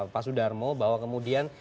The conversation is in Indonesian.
pak sudarmo bahwa kemudian